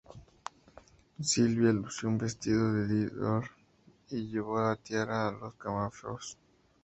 Silvia lució un vestido de Dior y llevó la tiara de los Camafeos.